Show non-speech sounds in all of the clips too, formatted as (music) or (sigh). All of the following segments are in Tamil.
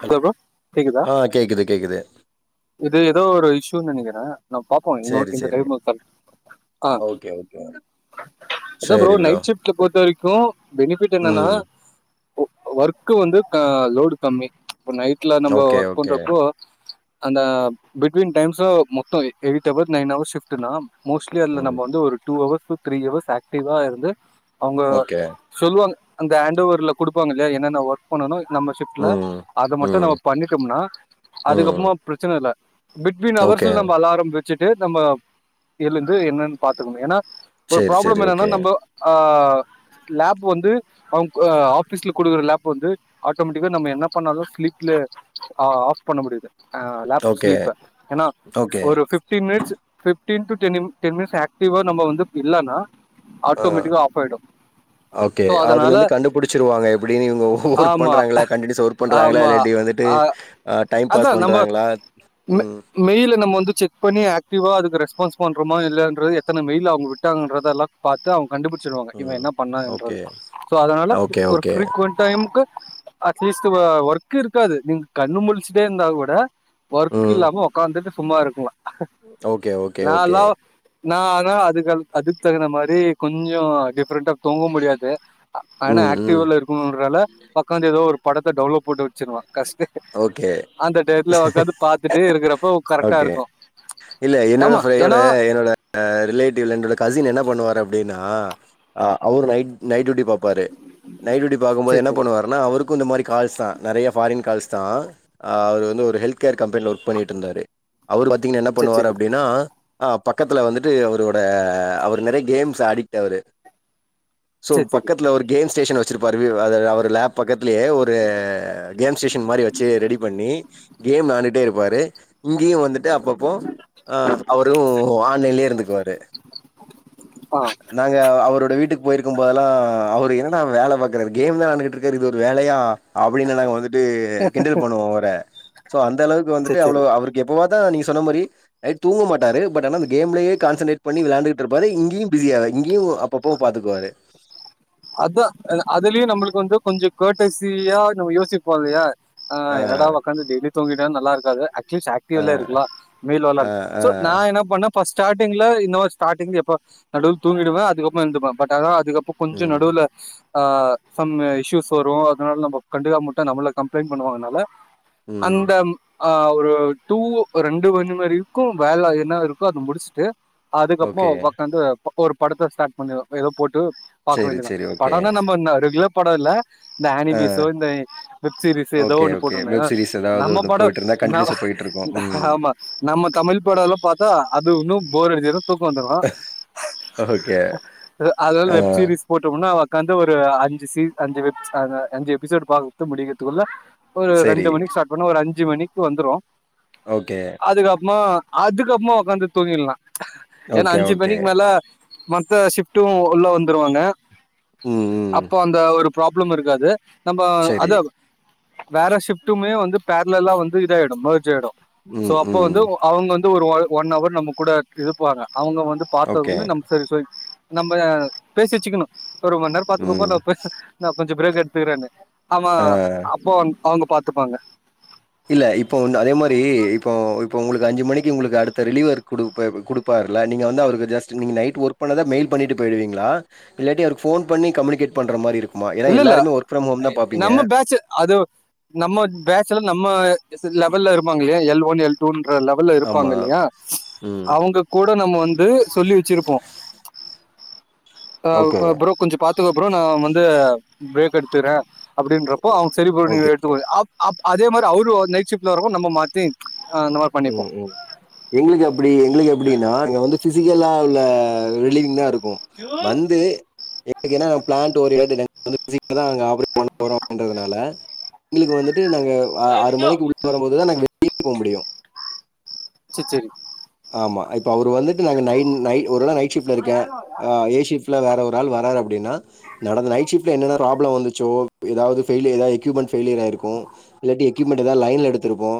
ஹல் ஹலோ ப்ரோ கேக்குதா அ கேக்குது கேக்குது இது ஏதோ ஒரு இஷ்யூன் நெனைக்கிற நா பாப்போ இன்னொ சரி, இந்த சரி. டைம்மு அ ஓகே, ஓகே. அதா ப்ரோ நைட் ஷிப்ட்ல பொறுத்த வெரிக்கு பெனிஃபிட் என்னன்னா ம். ஒ ஒர்க்கு வந்து லோடு கம்மி இப்ப நைட்ல நம்ம ஓகே, ஒர்க் ஓகே. பண்றப்போ அந்த பிட்வீன் டைம்ஸ்ஸு மொத்தோ eight hour nine hours shift நா மோஸ்ட்லி அதுல ம். நம்போ வந்து ஒரு டூ ஹவர்ஸ்ஸு த்ரீ ஹவர்ஸ் ஆக்டிவா இருந்து அவுங்க ஓகே. சொல்வாங் அந்த ஹண்டொவர்ல குடுப்பாங்க இல்லியா என்னென்ன ஒர்க் பண்ணனு நம்ப ஷிஃப் ட்ல ம். அத மட்டு ம். நம்ப பண்ணிட்டோம்னா ம். அதுக்கப்புறமா பிரச்சன இல்ல பிட்வீன் ஓகே. அவர்ஸ்ல நம்ப அலாரம் வெச்சிட்டு நம்ப எலுந்து என்னன்னு பாத்துக்கணு ஏன்னா ஒரு சரி, சரி. ப்ராப்ளம் என்னன்னா ஓகே. நம்ப அ அ லேப் வந்து அவுங் அ ஆபீஸ்ல குடுக்குற லேப் வந்து ஆட்டோமெட் டிக்கா நம்ப என்ன பண்ணாலு ஸ்லிப்ல ஆஃப் பண்ண முடிது அ லேப் ஓகே, ஸ்லீப்பர் ஏன்னா ஓகே. ஒரு fifteen minutes fifteen to டெனிம் டென் மினிட்ஸ் ஆக்டிவா நம்ப வந்து இல்லன்னா ஆ. ஆட்டோமெட்டிக்கா ஆஃப் ஆயிடு ஓகே சோ அதனால அதுலந்து கண்டுபிடிச்சிருவாங்க எப்டின்னு இவுங்க ஹோ ஒர்க் ஆமா பண்றாங்ளா கண்டனியூஸ்ஸ ஒர்க் பண்ணுறாங்ளா ஆமா இல்லாட்டி வந்துட்டு ஆ டைம் அதா பாஸ் நம்ம பண்ணுறாங்ளா ம் மெயில நம்ம வந்து செக் பண்ணி ஆக்டிவா அதுக்கு ரெஸ்பான்ஸ் பண்றோமா இல்லையான்றது எத்தன மெயில் அவுங்க விட்டாங்கன்றதெல்லா பாத்து அவுங் கண்டுபிடிச்சிருகவாங்க இவ ம். என்ன ஓகே. பண்ணான்றது சோ அதனால ஓகே, ஒரு ஓகே. ஃப்ரிக்கௌண் டைம்க்கு அட்லீஸ்ட்டு ஒ ஒர்க்கு இருக்காது நீங்க கண்ணு முலிச்சிட்டே இருந்தா கூட ஒர்க் ம். இல்லாம ஒக்காந்துட்டு சும் சும்மா இருக்கலா ஓகே ஓகே ஓகே நா ஆனா அதுகள் அதுக் தகுந்த மாரி கொஞ்சஃ டிஃப்ரெண்டா தூங்கோ முடியாது ஆனா ம், ம். ஆக்டிவால இருக்கணோன்றனால ஒக்காந்து ஏதோ ஒரு படத்த டௌன்லோட் போட்டு வெச்சிருவோ கஷ்ட ஓகே. அந்த டேத்துல ஒக்காந்து பாத்துட்டே இருக்குறப்ப ஓகே. கரெக்டாருக்கோ இல்ல என்னோட ஃப என்னோட என்னோட ரிலேட்டிவ்ல என்னோட கசின் என்ன பண்ணுவாரு அப் டின்னா அ அவுரு நைட் நைட் டூட்டி பாப்பாரு நைட் டூட்டி பாக்கும்போது சரி என்ன சரி பண்ணுவருனா அவுருக் கு இந்த மாரி கால்ஸ்தா நெறைய ஃபாரின் கால்ஸ் தா அவுரு வந்து ஒரு ஹெல்த் கேர் கம்பெனியில ஒர்க் பண்ணிட்ருந்தாரு அவுரு பாத்தீங்ன்னா என்ன பண்ணுவாரு சரி சரி அப்டின்னா அ பக்கத்துல் வந்துட்டு அவுரோட அவுரு நெறைய கேம்ஸ் அடிக்ட்டு அவுரு சோ சரி சரி பக்கத்துல ஒரு கேம் ஸ்டேஷன் வெச்சிருப்பாரு வி அத அவர் லேப் பக்கத்துலேயே ஒரு கேம்ஸ் ஸ்டேஸன் மாரி வெச்சு ரெடி பண்ணி கேம் வெளான்டுட்டே இருப்பாரு இங்கேயு வந்துட்டு அப்பப் போ அ அவரு ஆன்லைன்லயே இருந்துக்குவாரு ஆ நாங்க அவுருட் வீட்டுக்கு போயிருக்கும் போதுல்லா அவரு என்னட வேல பாக்கரார் கேம் தா வெளாண்ட்டுக்குட்ருகாரு இது ஒரு வேலயா அப்டின்னு நாங்க வந்துட் டு கிண்டல் பண்ணுவோ அவர சோ அந்த அளவுக்கு வந்துட்டு சரி சரி அவ்ளவு அவருக்கு எப்பவாத் தா நீங்க சொன்ன மாரி நைட்டு தூங்க மாட்டாரு பட் ஆன அந்த கேம்லயே கான்சன்ரேட் பண்ணி வெளாண்டுகுட்ருபாரு இங்கியு பிஸியாய் இங்கியு அப்பப்போ பாத்துக்குவாரு அதா அதுலயு நம்பளுக்கு வந்து கொஞ்சோ கேட்டசியா நம்ப யோசிப்போல்லியா ஆ என்னடா ஒக்காந்து டெய்லி தூங்கிட்டாலு நல்லாக்காது அட்லீஸ்ட் ஆ ஆக்டிவ்ல இருக்கலா மெய்ல் வல்ல ஆ ஆ சோ நா என்ன பண்ண ஃபஸ் ஸ்டாட்டிங்ல யூ நோ ஸ்டாட்டிங் எப்ப நடுவ்ல தூங்கிடுவ அதுக்கப்ற எந்ர்ப்ப பட் ஆனாலு அதுக்கப்ப கொஞ்ச ம் நடுவுல ஆ சம் இஷ்யூஸ் வரு அதனால நம்ம கண்டுக்காம வுட்டா நம்மள கம்ப்ளைண்ட் பண்ணுவாங்கனால ம் அந்த ஆ ஒரு டூ ரெண்டு மணி வரைக்கு வேல என்ன இருக்கோ அது முடிச்ட்டு அதுக்கப்புறமா ஓகே ஒக்காந்து ஒரு படத்த ஸ்டார்ட் பண்ணிர்வ ஏதோ போட்டு பாக்க சேரி வேண்டிதா சேரி ஓகே படனா நம்ம ந ரெகுலர் பட இல்ல இந்த ஆ ஆனிமிஸோ இந்த வெப்சீரிஸ் ஏதோ ஓகே ஒண்ணு ஓகே போட்ருந்த வெப் ஏனா சீரிஸ் ஏதாவது நம்ம ஒண்ணு பட போயிட்டு இருந்தா ந கண்டினியூஸா போயிட்டு இருக்கு ம் ஆமா நம்ம தமிழ் படல்லா பாத்தா அது இன்னு போர் அடிச்சுரு வந்துரு அ ஓகே அதனால ஆ வெப் சீரிஸ் போட்டோம்னா உக்காந்து ஒரு அஞ்சு சீன் அஞ்சு வெப் அத அஞ்சு எபிசோடு பாத்து முடிக்றதுக்குள்ள ஒரு ரெண்டு சரி மணிக்கு ஸ்டார்ட் பண்ண ஒரு அஞ்சு மணிக்கு வந்துரு ஓகே அதுக்கப்மா அதுக்கப்மா ஒக்காந்து தூங்கிர்லா ஏனா ஓகே, அஞ்சு ஓகே. மணிக்கு மேல மத்த சிஃப்ட்டு உள்ள வந்துருவாங்க ம், ம். அப்ப அந்த ஒரு ப்ராப்ளம் இருக்காது நம்ம சரி. அதா வேற ஷிஃப்ட்டுமே வந்து பேரலல்லா வந்து இதாயிடு மெர்ஜ் ஆய்டு சோ ம், அப்ப வந்து ம். அவுங்க வந் ஒரு ஒ ஒன் அவர் நம்ம கூட இருப்பாங்க அவுங்க வந்து பாத்தது ஓகே. வந்து நம்ம சரி சரி நம்ம பேசி வச்சுக்கணு ஒரு மண் நேர ம். பாத்துகொபா நா போய் நா கொஞ்ச பிரேக் எடுத்துக்கிறனு அவ ஆ. அப்போ அவங்க பாத்துப்பாங்க இல்ல இப்போ வந் அதே மாரி இப்போ இப்ப உங்களுக்கு அஞ்சு மணிக்கு உங்களுக்கு அடுத்த ரிலிவர் குடுப்ப குடுப்பா ர்ல நீங்க வந்து அவருக்கு ஜஸ்ட் நீ நைட் ஒர்க் பண்ணத மெய்ல் பண்ணிட்டு போய்டுவிங்ளா இல்லாட்டி அவர்க்கு ஃபோன் பண்ணி கம்யூனிகேட் பண்ற மாரி இருக் இல்லல்ல நம்ம பேட்ச் அது நம்ம பேட்ச் எல்லா நம் நம்ம லெவல்ல இருப்பாங்கல்லயா எல் ஒன் எல் டூ ன்ற லெவல்ல ஆமா. இருப்பாங்க இல்லயா ம். அவங்க கூட நம்ம வந்து சொல்லி வச்சிருப்போ ஆ ஓகே, ப்ர ப்ரோ கொஞ்ச பாத்துக்க ப்ரோ நா வந் பிரேக் எடுத்துர்ற அப்டின்றப்போ அவுங்க சரி ப்ரோ நீங்க ஓகே. எடுத்துகோ அப் அப் அதே மாரி அவுரு நைட் ஷிஃப்ட்ல வரும் போ நம்ப மாத்தி ஆ அந்த மாரி பண்ணிப்போ ம் ம் எங்ளுக்கு எப்பிடி எங்களுக்கு எப்பிடினா அங்க வந்து ஃபிசி கலா உள்ள ரிலீவிங் தா இருக்கு வந்து எனக் எனா பிளான்ட் ஓரியன்ட அந்த மிஷின்லதா நாங்க ஆபரேட் பண்ண போறோ அப்டின்றதுனால எங்ளுக்கு வந்து நாங்க ஆறு மணிக்கு உள்ள வரும்போதுதா நாங்க வெளியவே போக முடியு சர் சரி ஆமா இப்ப அவரு வந்துட்டு நாங்க நை நை ஒரு வேள நைட் ஷிஃப்ட்ல இருக்கே அ ஏ ஷிஃப் ல வேற ஒரு ஆள் வராரு அப்டினா நடந்த நைட் ஷிஃப்ட்ல என்னெலா பிராப்ள வந்துச்சோ எதாவுது ஃபெய்லியர் ஆயி எக்யூப்மெண்ட்ஸ் ஃபெய்லியராயிருக்கு இல்லாட்டி எக்யூப்மென்ட் எதாது லைன்ல எடுத்துருப்போ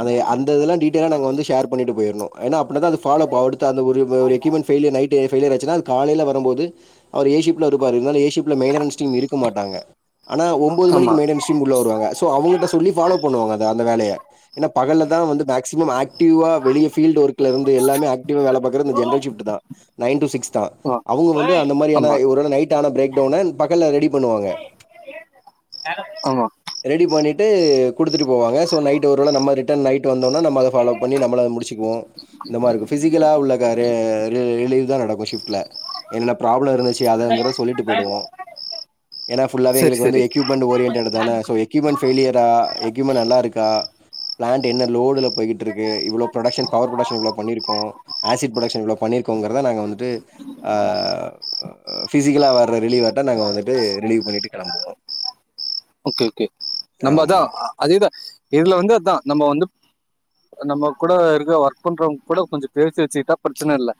அந்த எ அந்த இதெல்லா டீடெய்லா நாங்க வந்து ஷேர் பண்ணிட்டு போயிர்ணு ஏனா அப்டிதா அந்த ஃபாலோ அப் அப்டிதா அந்த ஒரு ஒரு எக்யூப்மென்ட் ஃபெய்லியர் நைட்டு ஃபெய்லியர் ஆச்சுனா அது காலைல வரும்போது அவுரு ஏ ஷிஃப்ட்ல இருப்பாரு இருந்தாலு ஏ ஷிஃப்ட்ல மெய்ன்டனன்ஸ் டீம் இருக்க மாட்டாங்க ஆனா ஒம்போது ஆமா மணிக்கு மெய்ன்டனன்ஸ் டீம் உள்ள வருவாங்க சோ அவங்கிட்ட சொல்லி ஃபாலோ பண்ணுவாங்க அத அந்த வேலைய ஏனா பகல்ல தா வந்து மேக்சிமம் ஆக்டிவ்வா ஃபீல்டு ஒர்க்ல இருந்து எல்லாமே ஆக்டிவா வேல பாக்கறது இந்த ஜெனரல் ஷிஃப்ட் தா நைன் டூ சிக்ஸ் தா ஆமா அவுங்க வந்து அந்த மாரி ஏனா ஆமா ஒரு வேள நைட் ஆன பிரேக் டவுன பகல்ல ரெடி பண்ணுவாங்க ஆமா ட்டு குடுத்துட்டு போவாங்க சோ நைட் ஒரு வேள நம்ம ரிட்டன் நைட் வந்தோனா நம்ம அத ஃபாலோ பண்ணி நம்மள அத முடிச்சு ருவோ இந்த மார்ருக்கு ஃபிசிக்கலா உள்ள க ர ரி ரிலீவ் தா நடக்கு ஷிஃப்ட்ல என்ன ப்ராப் ள இருந்துச்சு அதங்கிறத சொல்லிட்டு போய்டுவோ ஏனா ஃபுல்லாவே சரி எங்களுக்கு வந்து சரி எக்யூப்மெண்டு ஓரியன்ட்டடு தான சோ எக்யூப்மெண் ஃபெலியரா எக்யூப்மெண் நல்லருக்கா ப்ளான்டு என்ன லோடுல போய்க்கிட்ருக்கு இவ்ளோ ப்ரொடக்ஷன் பவர் ப்ரொடக்ஷன் இவ்ளோ பண்ணிருக்கோ ஆசிட் ப்ரொடக்ஷன் இவ்ளோ பண்ணிருக்கோங்கறத நாங்க வந்துட்டு அ அ அ பிசிக்கலா வர்ற ரிலீவட்ட நாங்க வந்துட்டு ரிலீவ் பண்ணிட்டு கெளம்புவோ ஓகே ஓகே நம்ப அதா அதேதா இதுல வந்து அதா நம்ம வந்து நம்ம கூட இருக்க ஒர்க் பண்றவங் கூட கொஞ்சு பேசி வச்சுக்கிட்டா ப்ரெச்சன இல்ல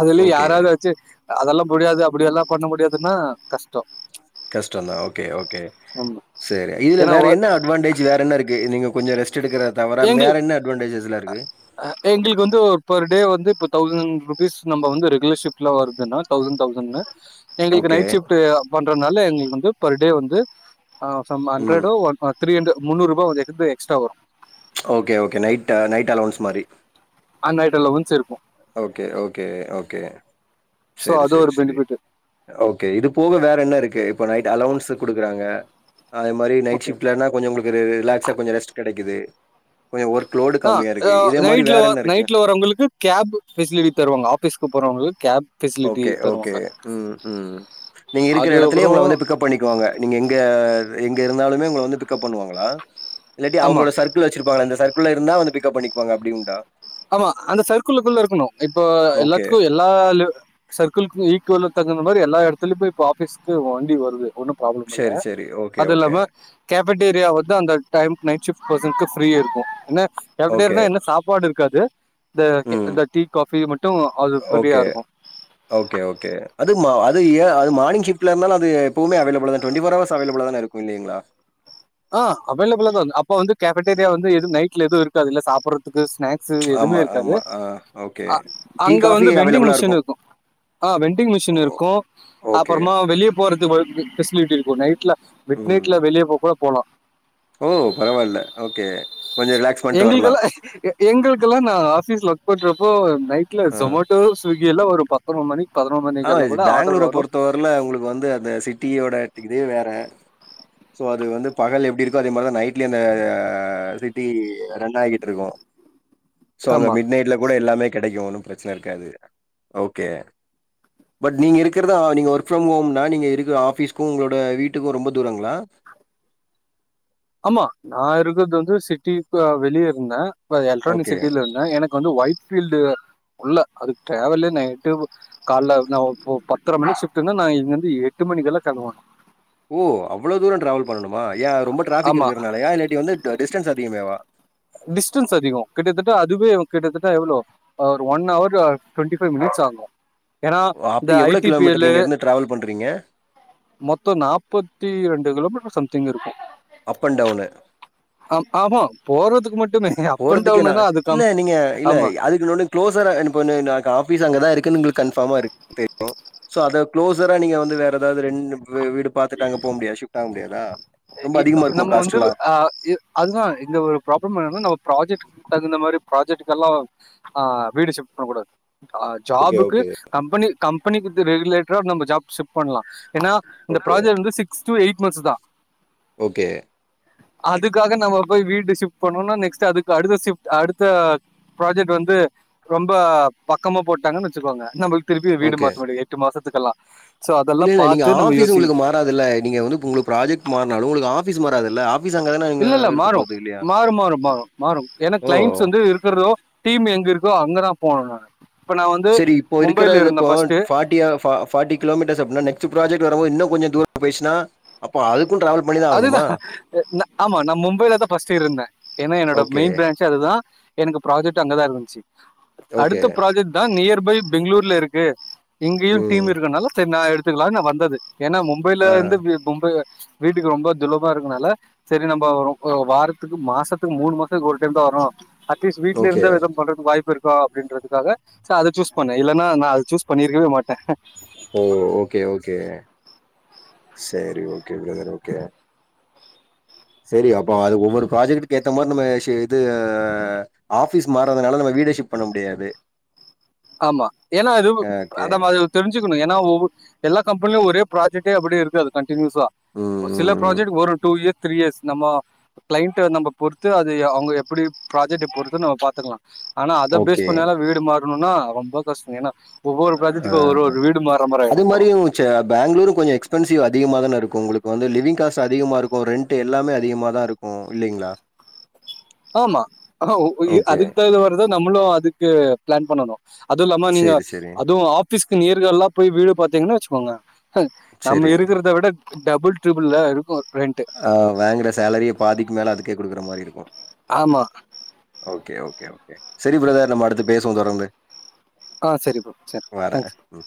அதுலியு ஓகே. யாராவ்து வெச்சு அதெல்லா முடியாது அப்புடியெல்லா பண்ண முடியாதுன்னா கஷ்டோ கஷ்டந்தா ஓகே ஓகே ஆமா செரி இதுல ஏன்னா வேற ஒர் என்ன அட்வான்டேஜ் வேற என்ன இருக்கு நீங்க கொஞ்சம் ரெஸ்ட் எடுக்கிறத தவிர எங்கு வேற என்ன அட்வான்டேஜஸ்லாம் இருக்கு? அ எங்குளுக்கு வந்து ஒர் பெர் டே வந்து புத் தௌசண் ருபீஸ் நம்ப வந்து ரெகுலர் ஷிஃப்ட்ல வருதுன்னா தௌசண் தௌசண்னு எங்களுக்கு ஓகே. நைட் ஃஷிப்ட்டு பண்றத்னால எங்ளுக்கு வந்து பர் டே வந்து அ சம் ம். அண்ட்ரடோ ஒன் அ த்ரீ அன்ட்ர முன்னுருபா கொஞ் எத் எக்ஸ்ட்ரா வரு ஓகே ஓகே நைட நைட் அலொவன்ஸ் மாரி அ நைட் அலொவன்ஸ் இருக்கோ ஓகே ஓகே ஓகே சோ சரி, அது சரி, ஒரு சரி. பெனிஃபிட்டு ஓகே இது போக வேற என்னருக்கு இப்ப நைட் அலொவன்ஸு குடுக்குறாங்க அது மாரி நைட் ஓகே ஃஷிப்ட்லனா கொஞ்சு உங்ளுக்கு ரி ரிலாக்ஸா கொஞ்சு ரெஸ்ட் கெடைக்கிது அ அ நைட்ல வர் என்ன இருக்கு? நைட்ல வரவங்களுக்கு கேபு ஃபெசிலிட்டி தருவாங்க ஆஃபிஸ்க்கு போறவங்ளுக் கேப் ஃபெசிலிட்டி ஓகே ஓகே தருவாங்க ம் ம் நீங்க இருக்கிற எடத்துலே உங்கள அதுக்கப்புறம் வந்து பிக்கப் பண்ணிக்குவாங்க நீங்க எங்க அ இது எங்க இருந்தாலுமே உங்கள வந்து பிக் அப் பண்ணுவாங்களா இல்லாட்டி ஆமா அவுங்ளோட சர்க்கிள் வச்சிருப்பாங்ளா இந்த சர்க் குள்ள இருந்தா வந்து பிக்கப் பண்ணக்வாங்க அப்டி உண்டா ஆமா அந்த சர்க்குளுக்குள்ள இருக்குணு இப்போ ஓகே. எல்லாத்துக்கு எல்லா லிவ் சர்க்கிள்க்கு ஈக்வல தகுந்த மாரி எல்லா எடத்தில்யு போய் இப்ப ஆபிஸ்க்கு வண்டி வருது ஒன்னு ப்ராப்ளம் இல்ல சரி, சரி. ஓகே, அது ஓகே, இல்லாம கே ஃபெட்டேரியா வந்து அந்த டைம் நைட் ஃஷிப் பேசன்க்கு ஃப்ரீயாருக்கு என்ன ஓகே. கேஃபெடேரினா என்ன சாப்பாடு இரு க்காது இந்த டி ம். இந்த டீ காஃபி மட்டு அது ஓகே, ஃப்ரீயாருக்கு ஓகே, ஓகே. (unintelligible) அது மானிங் ஃஷிப்ல இந்தாலு அது எப்போவ்மே அவைலபுளு தா ட்வெண்டி ஃபோர் அவர்ஸு அவைலபுளாதாங்க இருக்கு இல்லீங்ளா அ அவைலபுளா தா அப்ப வந்து கேஃபேடேரியா வந்து எது நைட்ல எதுவ் இருக்காதுல்ல சாப்பறற் துக்கு ஸ்நாக்ஸு எதுவ்மே ஆமா, இருக்காது ஆமா. ஆ ஓகே. அ டீ, அங்க காஃபி வந்து வெண்டிங் அவைலபிளா மிஷின் இருக்கும். இர்க்கு அ வென்டிங் ஓ மிஷின் இருக்கு ஓகே. அப்புறமா வெளியே போறதுக் கு ஃபெசிலிட்டி இருக்கு நைட்ல மிட் ம். நைட்ல வெளிய போ கூட போலா ஓ பரவாயில்ல ஓகே கொஞ்சு எங்ளுக்கெல்லா எ எங்களுக்கெல்லா நா ஆபீஸ்ல ஒர்க் பண்றப்போ நைட்ல ஆ. சொமோட்டோ ஸ்வி தி எல்லா வரு பத்தர மணிக் அ இது பேங்ளூர பொறுத்த வரில உங்ளுக்கு வந்து அந்த சிட்டியோட அட்டிக்குதே வேற சோ அது வந்து பகல்ல எப்டி இருக்கோ அதே மாரிதா நைட்ல்யு அந்த அ அ சிட்டி ரன் ஆகிட்டுருக்கு சோ அங்க ஆமா. மிட் நைட்ல கூட எல்லாமே கெடைக்கு ஒன்னு ப்ரெச்ன இருக்காது ஓகே (inaudible) பட் நீங்க இருக்கிறதா நீங்க ஒர்க் ஃப்ரம் ஹோம்னா நீங்க இருக்க ஆஃபீஸ்க்கு உங்ளோட வீட்டுக்கு ரொம்ப தூரங்ளா (inaudible) ஆமா நா இருக்கற்து வந்து சிட்டிக்கு அ வெளிய இருந்த இப்ப எல்க்ட்ரானிக் ஓகே. சிட்டில இர்ந்த எனக்கு வந்து ஒயிட் ஃபீல்டு உள்ள அதுக்கு டிராவல்லு நா எட்டு ப கால்ல நா போ பத்தர மணிக் ஃஷிப்ட்டுனா நா இங்கர்ந்து எட்டு மணக்கெல்லா (unintelligible) ஓ அவ்ஸளோ தூரோ டிராவல் பண்ணணுமா ஏ ரொம்ப டிராஃபிக்கு ஆமா. இருக்கிறனாலயா இல்லாட்டி வந்து டி டிஸ்டன்ஸு அதிகமேவா டிஸ்டன்ஸ் அதிகோ கிட்டத்தட்ட அதுவே கிட்டத்தட்ட எவ்வளோ ஒரு one hour twenty five minutes ஆகு ஓ அப்படி எவ்வளோ கிலோமீட்டர் நீங்க இருந்து டிராவல் பண்றீங்க மொத்த நாப்பத்தி இரண்டு கிலோமீட்டர் சம்திங் இருக்கு அப் அண்ட் டவுனு ஆ ஆமா போறதுக்கு மட் போறதுக்கேனா இல்ல நீங்க இல்ல ஆமா அதுக்கு இன்னொன்னு க்ளோஸரா ஆ இப் ஒன் ஆபீஸ் அங்கதா இருக் உங்களுக்கு கன்ஃபார்மா இருக்கு தெரியு சோ அத கு்ளோசரா நீங்க வந்து வேற ஏதாவது ரெண்டு வீடு பாத்துட் அங்க போ முடியாது ஷிப்ட் ஆக முடியாதா ரொம்ப அதிகமா இருக்குமா நம்ம வந்து காஸ்ட்லாம்? அதுதா இந்த ஒரு ப்ராப்ளம் என்ன நா நம்ம பராஜெக்ட்கு இந்த மாதிரி ப்ராஜெக்ட எல்லா ஆ வீடு ஷிப்ட் பண்ணக்க கூடாது ஓகே, ஜாபுக்கு ஓகே, கம்பெனி கம்பெனிக்கு ரெகுலேட்டரா நம்ம ஜாப் ஷிப் பண்ணலா ஏன்னா இந்த ஓகே. ப்ராஜெக்ட் வந்து சிக்ஸ் டூ எயிட் மந்த்ஸ் தா ஓகே அதுக்காக நம்ம போய் வீடு ஷிப்ட் பண்னோன்னா நெக்ஸ்ட் அதுக்கு அடுத்த் சிப்ட் அடுத்த ப்ராஜக்ட் வந்து ரொம்ப பக்கமா போட்டாங்கன்னு வச்சுக்கோங்க நம்மளு திருப்பி வீடு ஓகே. மாத்த முடியது எட்டு மாசத்துக்கெல்லா இல்ல இல்ல நீங்க ஆபீஸ் உங்களுக்கு மாறதுல்ல நீங்க வந்து உங்களுக்கு ப்ராஜெக்ட் மாறினாலு உங்களுக்கு ஆபீஸ் மாறதுல ஆ இல்ல இல்ல மாறு மாறு மாறு மாறு மாறு ஏன்னா ஓ! கிளைண்ட்ஸ் வந்து இருக்கிறதோ டீம் எங்க இருக்கோ அங்கதா போணு நா சரி இப்போ இருக்கிறது அப்போ ஃபர்ஸ்ட் ஃபோர்டில ஃபோர்டி கிலோமீட்டர்ஸ் அப்படினா நெக்ஸ்ட் ப்ராஜெக்ட் வந் இன்னு கொஞ்ச தூரம் பேசினா அப்போ அதுக் அதுதா ஆமா நா மும்பையில தா பர்ஸ்ட் இருந்தே ஏன்னா என்னோட ஓகே, மெயின் பிரான்ச்சு அதுதா எனக்கு ப்ராஜெக்ட் அங்கதா இருந்துச்சு ஓகே. அடுத்த ப்ராஜெக்ட் தா நியர்பை பெங்களூர்ல இருக்கு இங்கையு டீம் ம். இருக்கனால சரி நா எடுத்துக்கலானு நா வந்தது ஏன்னா மும்பைில ஆ. இருந்து மும்பை வீட்டுக்கு ரொம்ப துலமா இருக்கனால சரி நம்ம வரு வாரத்துக்கு மாசத்துக்கு மூணு மாசத்துக்கு ஒரு டைம் தா வரோ அடலீஸ் வீட்ல ஓகே. இருந்த வித சொல்றது வாய்ப்பு இருக்கு அப்படின்றதுக்காக அத சூஸ் பண்ண இல்லன்னா நா அத சூஸ் பண்ணிருக்கவே மாட்ட ஓ ஓகே ஓகே சரி ஓகே பிரதர் ஓகே சரி அப்போ அது ஒவ்வொரு ப்ராஜெக்டக்கு ஏத்த மாதிரி நம்ம இது ஆபிஸ் மாறதுனால நம்ம வீட ஷிப்ட் பண்ண முடியாது ஆமா ஏன்னா அது ஓகே. அத தெரிஞ்சுக்கணு ஏன்னா ஒ எல்லா கம்பெனிலியு ஒரே ப்ராஜெக்ட்டே அப்படி இருக்காது கண்டிநியூஸா ம், சில ம், ம். ப்ராஜக்ட் ஒரு டூ இயர்ஸ் த்ரீ இயர்ஸ் நம்ம கிளைண்டை நம்ம பொறுத்து அது அவங்க எப்படி ப்ராஜெக்ட பொறுத்து நம்ம பாத்துக்கலா ஆனா அத பேஸ் ஓகே. பண்ணல வீடு மாறணும்னா ரொம்ப கஷ்ட ஏன்னா ஒவ்வொரு ஆ ப்ராஜெக்ட்டுக்கு ஒரு ஒரு வீடு மாறுற மாதிரி அது ஆயிடும் அப்புறம் மாறியு பெங்களூரு கொஞ்ச எக்ஸ்பென்சிவ் அதிகம தான இருக் கும் உங்களுக்கு வந்து லிவிங் காஸ்ட் அதிகமா இருக்கு ரெண்டட் எல்லாமே அதிகமா தா இருக்கு இல்லைங்களா ஆமா ஆ ஓ ஓகே. அதுக்கு தகுந்த மாதிரி தா நம்மளு அதுக்கு பிளான் பண்ணணு அதுவு இல்லாம நீங்க சரி, சரி, அதுவு ஆபிஸ்க்கு நியர்கள் எல்லா போய் வீடு பார்த்தீங்கன்னா வச்சுக்கோங்க நம்ம சரி. இருக்கிறத விட டபுள் ட்ரிபிள் ல இருக் ஆ வாங்குற சேலரிய பாதிக்கு மேல அதுக்கே கொடுக்குற மாரி இருக் ஆமாம் ஓகே ஓகே ஓகே சரி பிரதர் நம்ம அடுத்து பேசுவோ தொடர்ந்து ஆ சரிப்பா சரி வரேன். தேங்க்ஸ் ம்.